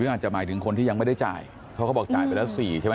อาจจะหมายถึงคนที่ยังไม่ได้จ่ายเพราะเขาบอกจ่ายไปแล้ว๔ใช่ไหม